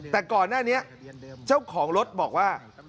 แต่ก่อนหน้านี้เจ้าของรถบอกว่า